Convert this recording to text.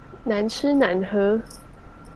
難吃難喝